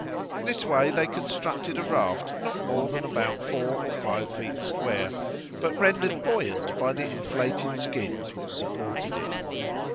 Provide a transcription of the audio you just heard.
In this way they constructed a raft not more than about four or five feet square, but rendered buoyant by the inflated skins which supported it.